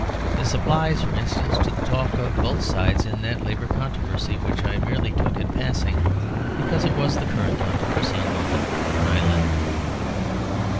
This applies, for instance, to the talk of both sides in that Labour controversy, which I merely took in passing, because it was the current controversy in London when I left.